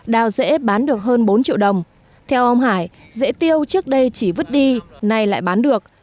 đào rễ bán được hơn bốn triệu đồng theo ông hải rễ tiêu trước đây chỉ vứt đi nay lại bán được